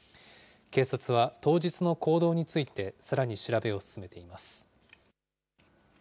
警察は当日の行動について、さらに調べを進めています。